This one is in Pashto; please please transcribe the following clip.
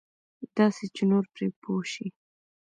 داسې چې نور پرې پوه شي.